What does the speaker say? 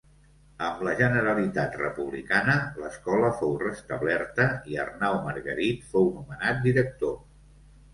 Amb la Generalitat republicana, l’escola fou restablerta i Arnau Margarit fou nomenat director.